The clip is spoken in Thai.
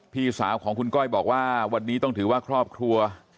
พี่สาวของคุณก้อยบอกว่าวันนี้ต้องถือว่าครอบครัว